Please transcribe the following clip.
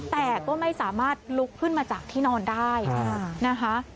แต่ก็ไม่สามารถลุกขึ้นมาจากที่นอนได้นะคะ